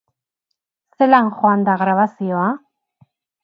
Zelan joan da grabazioa?